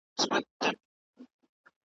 محتسب را سي و انتقام ته .